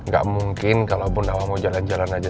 gak mungkin kalau bu nawang mau jalan jalan aja